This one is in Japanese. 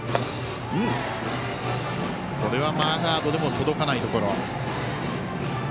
これはマーガードでも届かないところ。